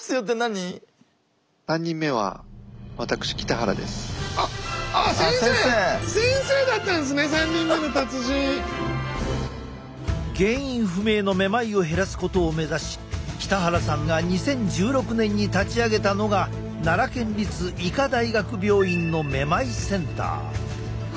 原因不明のめまいを減らすことを目指し北原さんが２０１６年に立ち上げたのが奈良県立医科大学病院のめまいセンター。